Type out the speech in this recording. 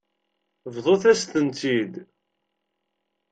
Bḍut-as-tent-id.